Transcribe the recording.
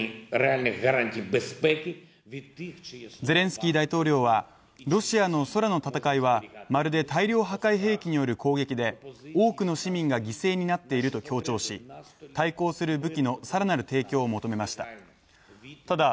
ゼレンスキー大統領は、ロシアの空の戦いはまるで大量破壊兵器による攻撃で、多くの市民が犠牲になっていると強調し、対抗する武器の更なる提供を求めました。